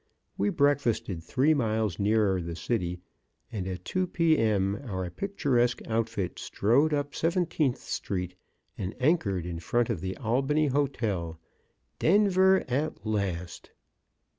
We breakfasted three miles nearer the city, and at two P. M. our picturesque outfit strode up Seventeenth street and anchored in front of the Albany Hotel. Denver at last!